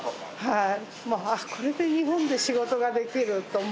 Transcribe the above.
はい。